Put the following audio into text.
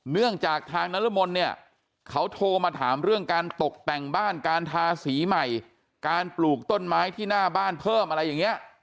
เนื่องจากทางนรมนเนี่ยเขาโทรมาถามเรื่องการตกแต่งบ้านการทาสีใหม่การปลูกต้นไม้ที่หน้าบ้านเพิ่มอะไรอย่างนี้